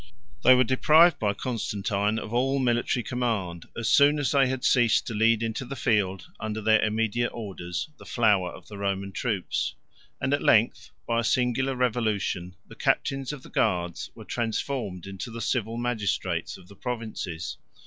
They were deprived by Constantine of all military command, as soon as they had ceased to lead into the field, under their immediate orders, the flower of the Roman troops; and at length, by a singular revolution, the captains of the guards were transformed into the civil magistrates of the provinces.